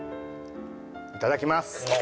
いただきます。